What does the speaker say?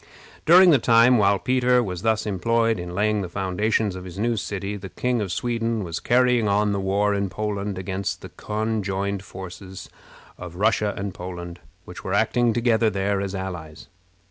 During the time while Peter was thus employed in laying the foundations of his new city, the King of Sweden was carrying on the war in Poland against the conjoined forces of Russia and Poland, which were acting together there as allies.